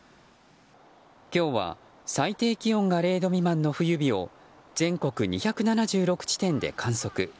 今日は最低気温が０度未満の冬日を全国２７６地点で観測。